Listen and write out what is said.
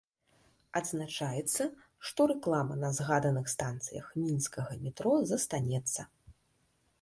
Адзначаецца, што рэклама на згаданых станцыях мінскага метро застанецца.